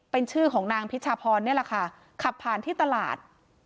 เป็นชื่อของนางพิชาพรนี่แหละค่ะขับผ่านที่ตลาด